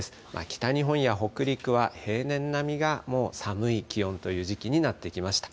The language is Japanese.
北日本や北陸は平年並みがもう寒い気温という時期になってきました。